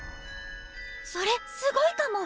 それすごいかも。